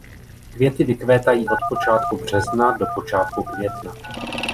Květy vykvétají od počátku března do počátku května.